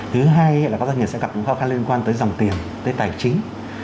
thứ hai là các doanh nghiệp sẽ gặp những khó khăn liên quan tới dòng tiền tới tài chính